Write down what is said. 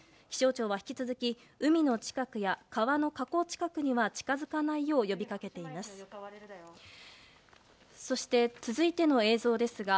気象庁は引き続き海の近くや川の河口近くには近づかないように呼び掛けています。